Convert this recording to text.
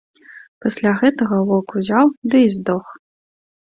Пасля гэтага воўк узяў ды і здох.